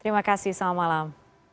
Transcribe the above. terima kasih selamat malam